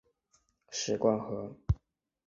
史灌河